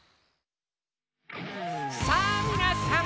さぁみなさん！